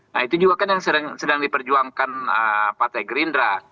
nah itu juga kan yang sedang diperjuangkan partai gerindra